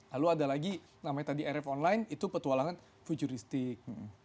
lalu ada lagi namanya tadi rf online itu petualangan futuristik